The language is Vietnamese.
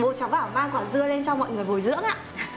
bố cháu bảo mang quả dưa lên cho mọi người bồi dưỡng ạ